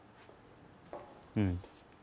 うん。